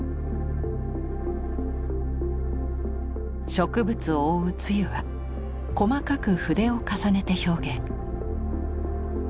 植物を覆う露は細かく筆を重ねて表現。